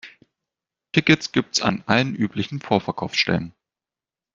Tickets gibt es an allen üblichen Vorverkaufsstellen.